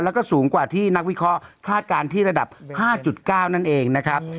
แล้วก็สูงกว่าที่นักวิเคราะห์คาดการณ์ที่ระดับ๕๙นั่นเองนะครับ